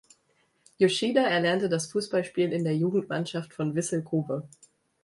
Yoshida erlernte das Fußballspielen in der Jugendmannschaft von Vissel Kobe.